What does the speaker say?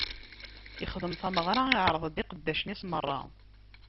Ixdem tameɣra, iɛreḍ-d iqeddacen-is meṛṛa.